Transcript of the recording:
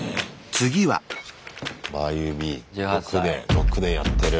６年やってる。